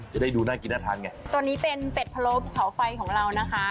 จะได้ดูน่ากินน่าทานไงตัวนี้เป็นเป็ดพะโลบเขาไฟของเรานะคะ